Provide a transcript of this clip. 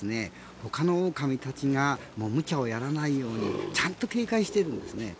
他のオオカミたちが無茶をやらないようにちゃんと警戒してるんですね。